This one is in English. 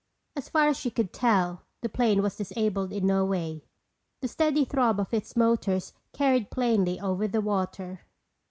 As far as she could tell the plane was disabled in no way. The steady throb of its motors carried plainly over the water.